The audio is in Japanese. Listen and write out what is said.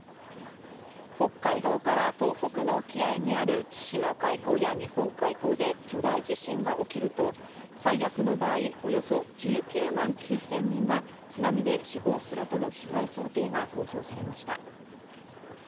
北海道から東北の沖合にある千島海溝や日本海溝で巨大地震が起きると、最悪の場合、およそ１９万９０００人が津波で死亡するとの被害想定が公表されました。